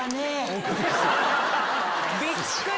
びっくり！